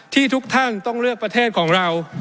ทุกท่านต้องเลือกประเทศของเรา